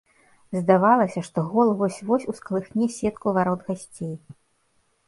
Здавалася, што гол вось-вось ускалыхне сетку варот гасцей.